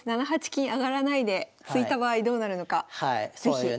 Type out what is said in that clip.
７八金上がらないで突いた場合どうなるのか是非。